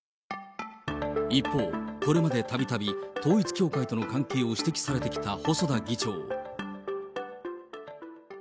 一方、これまでたびたび統一教会との関係を指摘されてきた細田議長。